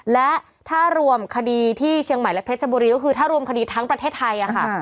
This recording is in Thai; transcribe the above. และถ้ารวมคดีที่เชียงใหม่และเพชรบุรีก็คือถ้ารวมคดีทั้งประเทศไทยค่ะ